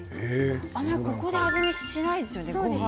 あんまりここで味見はしないですよね。